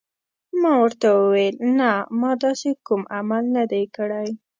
ما ورته وویل: نه، ما داسې کوم عمل نه دی کړی.